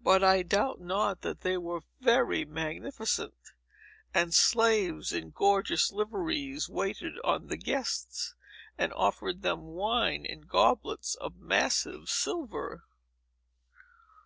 But I doubt not that they were very magnificent; and slaves in gorgeous liveries waited on the guests, and offered them wine in goblets of massive silver."